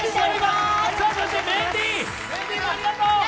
そしてメンディーもありがとう。